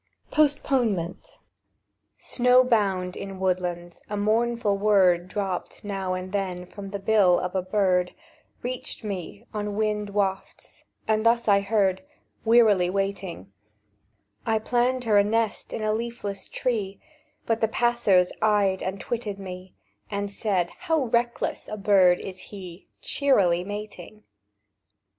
POSTPONEMENT SNOW BOUND in woodland, a mournful word, Dropt now and then from the bill of a bird, Reached me on wind wafts; and thus I heard, Wearily waiting:— "I planned her a nest in a leafless tree, But the passers eyed and twitted me, And said: 'How reckless a bird is he, Cheerily mating!